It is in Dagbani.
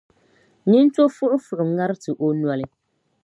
nintɔfuɣifuɣi ŋariti o noli.